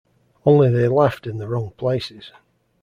Only they laughed in the wrong places.